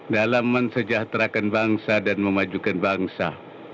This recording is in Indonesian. dalam mensejahterakan bangsa dan memajukan bangsa